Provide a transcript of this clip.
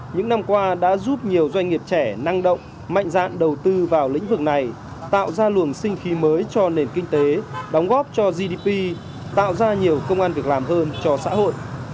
những năm qua đã giúp nhiều doanh nghiệp trẻ năng động mạnh dạn đầu tư vào lĩnh vực này tạo ra luồng sinh khí mới cho nền kinh tế đóng góp cho gdp tạo ra nhiều công an việc làm hơn cho xã hội